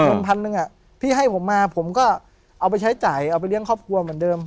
เงินพันหนึ่งที่ให้ผมมาผมก็เอาไปใช้จ่ายเอาไปเลี้ยงครอบครัวเหมือนเดิม